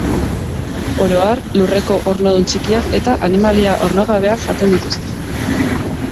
Oro har, lurreko ornodun txikiak eta animalia ornogabeak jaten dituzte.